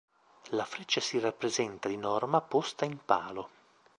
La freccia si rappresenta, di norma, posta in palo.